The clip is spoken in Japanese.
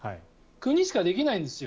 国しかできないんですよ